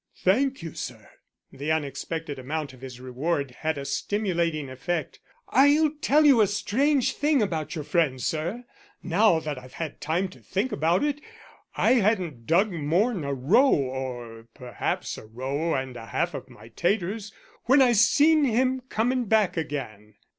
"Thank you, sir." The unexpected amount of his reward had a stimulating effect. "I'll tell you a strange thing about your friend, sir, now that I've had time to think about it. I hadn't dug more'n a row, or perhaps a row and a half of my taters, when I seen him coming back again."